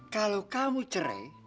kalau kamu cerai